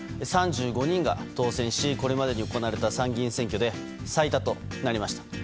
３５人が当選しこれまでに行われた参議院選挙で最多となりました。